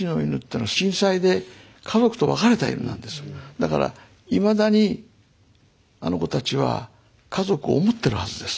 だからいまだにあの子たちは家族を思ってるはずです。